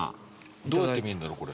どうやって見えるんだろうこれ。